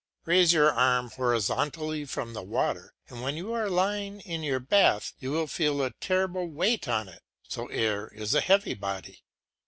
Raise your arm horizontally from the water when you are lying in your bath; you will feel a terrible weight on it; so air is a heavy body.